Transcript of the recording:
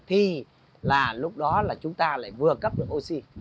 thì là lúc đó là chúng ta lại vừa cấp được oxy